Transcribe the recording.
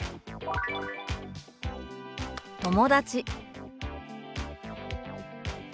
「友達」。